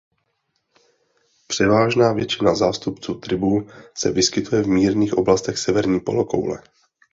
Převážná většina zástupců tribu se vyskytuje v mírných oblastech severní polokoule.